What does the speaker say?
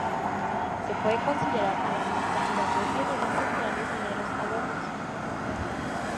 Se puede considerar a la mitra y las dos diademas centrales meros adornos.